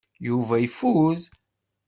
Yuba ifud.